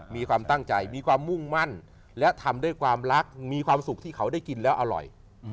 มีความตั้งใจมีความมุ่งมั่นและทำด้วยความรักมีความสุขที่เขาได้กินแล้วอร่อย